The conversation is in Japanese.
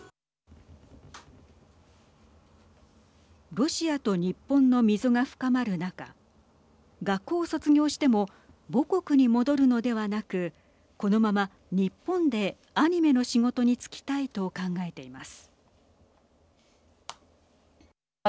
ロシアと日本の溝が深まる中学校を卒業しても母国に戻るのではなくこのまま日本でアニメの仕事に就きたいと考えています。